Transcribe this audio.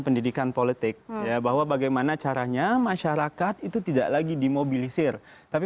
pendidikan politik bahwa bagaimana caranya masyarakat itu tidak lagi dimobilisir tapi